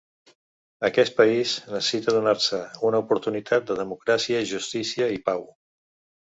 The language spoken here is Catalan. Aquest país necessita donar-se una oportunitat de democràcia, justícia i pau.